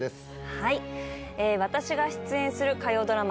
はい私が出演する火曜ドラマ